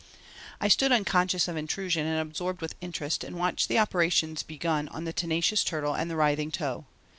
I stood unconscious of intrusion and absorbed with interest and watched the operations begun on the tenacious turtle and the writhing toe.